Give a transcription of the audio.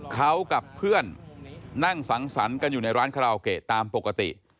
เขากับเพื่อนนั่งสังสรรค์กันอยู่ในร้านคาราโอเกะตามปกติ